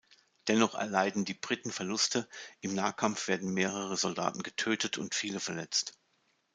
Dennoch erleiden die Briten Verluste, im Nahkampf werden mehrere Soldaten getötet und viele verletzt.